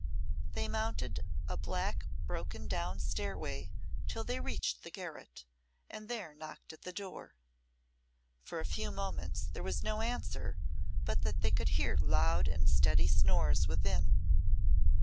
They mounted a black broken down stairway till they reached the garret, and there knocked at the door. For a few moments there was no answer, but that they could hear loud and steady snores within.